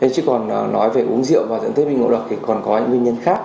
chỉ còn nói về uống rượu và dẫn tới bình ngộ độc thì còn có những nguyên nhân khác